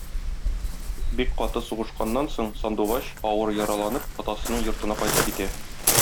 Бик каты сугышканнан соң, Сандугач, авыр яраланып, атасының йортына кайтып китә.